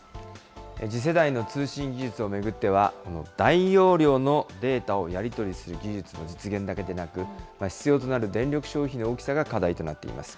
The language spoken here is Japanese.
次世代の通信技術を巡っては、この大容量のデータをやり取りする技術の実現だけでなく、必要となる電力消費の大きさが課題となっています。